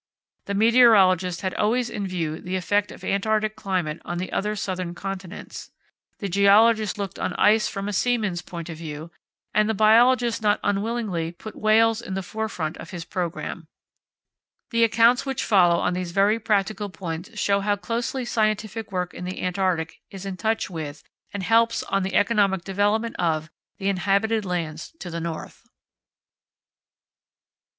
The meteorologist had always in view the effect of Antarctic climate on the other southern continents, the geologist looked on ice from a seaman's point of view, and the biologist not unwillingly put whales in the forefront of his programme. The accounts which follow on these very practical points show how closely scientific work in the Antarctica is in touch with, and helps on the economic development of, the inhabited lands to the north.